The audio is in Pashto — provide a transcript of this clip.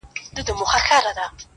ايله چي شل، له ځان سره خوارې کړې ده~